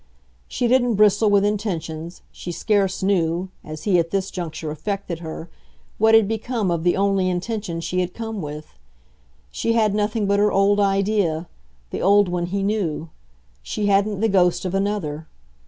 She didn't bristle with intentions she scarce knew, as he at this juncture affected her, what had become of the only intention she had come with. She had nothing but her old idea, the old one he knew; she hadn't the ghost of another.